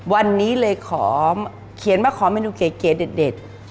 วันนี้เลยเขียนว่าขอเมนูเก๋เก๋เด็ด